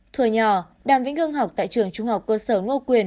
tuổi nhỏ đàm vĩnh hương học tại trường trung học cơ sở ngô quyền